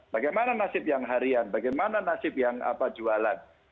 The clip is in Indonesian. bagaimana nasib yang harian bagaimana nasib yang jualan